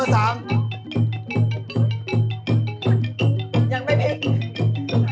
ยังไม่พลิก